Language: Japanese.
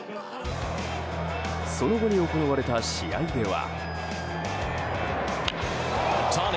その後に行われた試合では。